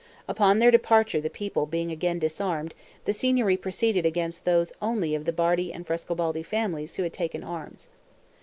Upon their departure the people being again disarmed, the Signory proceeded against those only of the Bardi and Frescobaldi families who had taken arms.